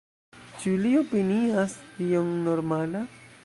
Ĉu li opinias tion normala?